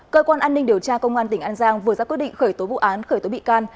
cơ quan an ninh điều tra công an tỉnh an giang vừa ra quyết định khởi tố vụ án khởi tố bị can